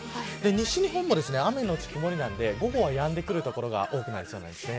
西日本も、雨のち曇りなので午後はやんでくる所が多くなりそうなんです。